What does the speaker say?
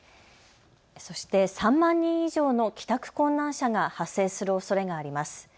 そして３万人以上の帰宅困難者が発生するおそれがあります。